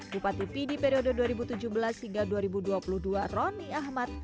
bupati pidi periode dua ribu tujuh belas hingga dua ribu dua puluh dua roni ahmad